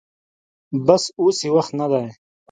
بس اوس يې وخت نه دې.